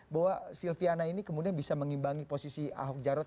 bahwa silviana ini kemudian bisa mengimbangi posisi ahok jarot